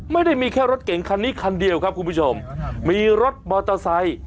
ไม่ได้มีแค่รถเก่งคันนี้คันเดียวครับคุณผู้ชมมีรถมอเตอร์ไซค์